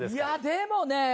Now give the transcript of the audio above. でもね